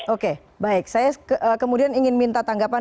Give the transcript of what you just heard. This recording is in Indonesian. oke baik saya kemudian ingin minta tanggapan